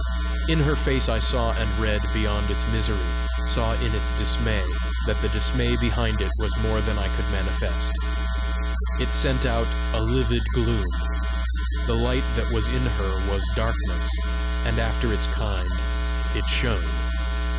In her face I saw and read beyond its misery saw in its dismay that the dismay behind it was more than it could manifest. It sent out a livid gloom; the light that was in her was darkness, and after its kind it shone.